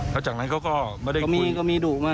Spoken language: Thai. แล้วจากนั้นเขาก็ไม่ได้คุย